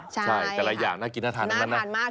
ใช่แต่ละอย่างน่ากินน่าทานมาก